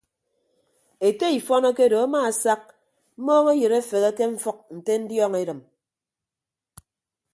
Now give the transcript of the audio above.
Ete ifọn akedo amaasak mmọọñọyịd afeghe ke mfʌk nte ndiọñ edịm.